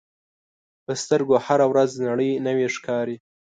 په سترګو هره ورځ نړۍ نوې ښکاري